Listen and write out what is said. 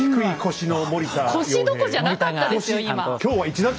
腰どこじゃなかったですよ